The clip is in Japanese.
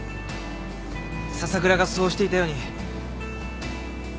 笹倉がそうしていたように。